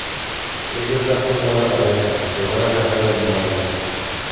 Ellos hacen buena pareja, se van a casar en mayo.